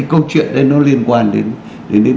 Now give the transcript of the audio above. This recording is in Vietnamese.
câu chuyện này nó liên quan đến